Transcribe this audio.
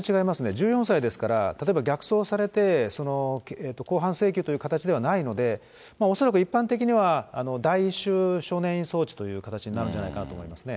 １４歳ですから、例えば逆送されて、公判請求という形ではないので、恐らく一般的には、来週、少年院送致という形になるんじゃないかなと思いますね。